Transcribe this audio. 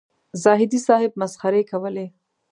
زاهدي صاحب مسخرې کولې.